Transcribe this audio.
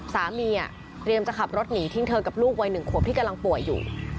เตรียมจะขับรถหนีทิ้งเธอกับลูกวัย๑ขวบที่กำลังป่วยอยู่